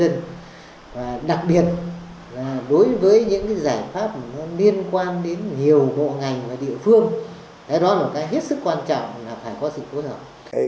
và đặc biệt là đối với những giải pháp liên quan đến nhiều bộ ngành và địa phương đấy đó là cái hết sức quan trọng là phải có sự cố gắng